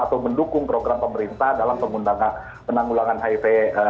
atau mendukung program pemerintah dalam pengundangan penanggulangan hiv